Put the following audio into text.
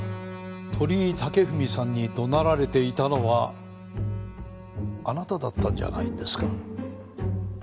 鳥居武文さんに怒鳴られていたのはあなただったんじゃないんですか？